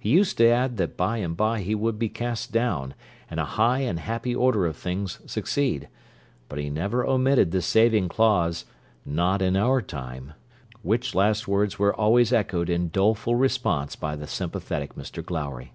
He used to add that by and by he would be cast down, and a high and happy order of things succeed; but he never omitted the saving clause, 'Not in our time'; which last words were always echoed in doleful response by the sympathetic Mr Glowry.